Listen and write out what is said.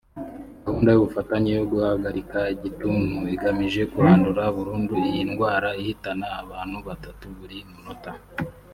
Gahunda y’ubufatanye yo guhagarika igituntu igamije kurandura burundu iyi ndwara ihitana abantu batatu buri munota